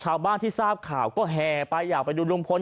ชาวบ้านที่ทราบข่าวก็แห่ไปอยากไปดูลุงพล